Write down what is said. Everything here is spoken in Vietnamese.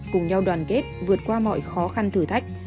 cùng nhau đoàn kết vượt qua mọi khó khăn thử thách